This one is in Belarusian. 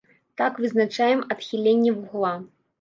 Так вызначаем адхіленне вугла.